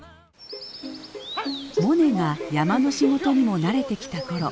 モネが山の仕事にも慣れてきた頃。